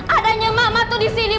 adanya mama tuh di sini